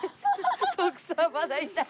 徳さんまだ痛い。